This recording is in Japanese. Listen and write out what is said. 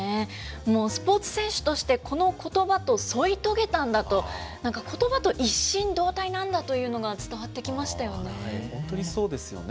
もうスポーツ選手としてこのことばと添い遂げたんだと、なんかことばと一心同体なんだというのが伝わってきましたよね。